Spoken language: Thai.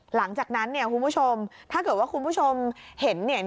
หลังจากนั้นคุณผู้ชมถ้าเกิดว่าคุณผู้ชมเห็น